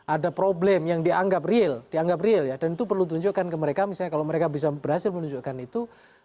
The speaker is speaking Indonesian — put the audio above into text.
ada problem yang dianggap real dianggap real dan itu perlu ditunjukkan ke mereka misalnya kalau mereka bisa berhasil menunjukkan itu